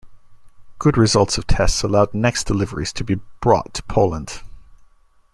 Good results of tests allowed next deliveries to be brought to Poland.